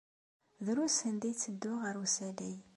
Drus anda ay ttedduɣ ɣer usalay.